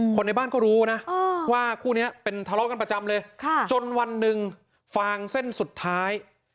คนในบ้านก็รู้นะว่าคู่นี้เป็นทะเลาะกันประจำเลยจนวันหนึ่งฟางเส้นสุดท้าย